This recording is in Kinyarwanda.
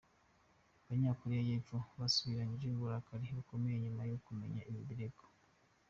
Abanya Koreya y'Epfo basubizanyije uburakari bukomeye nyuma yo kumenya ibi birego.